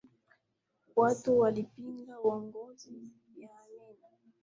Watu walipinga uongozi ya Amin